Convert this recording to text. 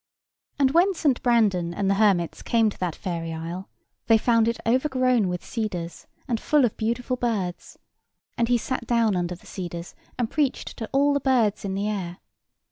And when St. Brandan and the hermits came to that fairy isle they found it overgrown with cedars and full of beautiful birds; and he sat down under the cedars and preached to all the birds in the air.